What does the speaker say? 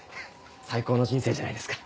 最高の人生じゃないですか。